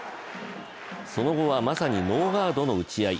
その後はまさにノーガードの打ち合い。